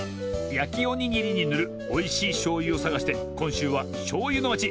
やきおにぎりにぬるおいしいしょうゆをさがしてこんしゅうはしょうゆのまち